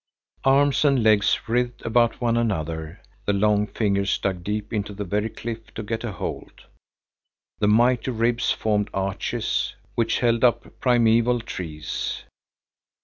Arms and legs writhed about one another, the long fingers dug deep into the very cliff to get a hold, the mighty ribs formed arches, which held up primeval trees.